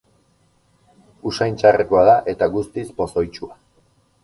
Usain txarrekoa da, eta guztiz pozoitsua.